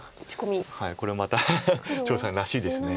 これはまた張栩さんらしいです。